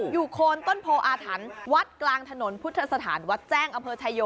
อยู่โคนต้นโพอาถันวัดกลางถนนพุทธสถานวัดแจ้งอเภอชายโย